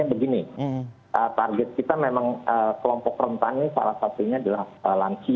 begini target kita memang kelompok rentan ini salah satunya adalah lansia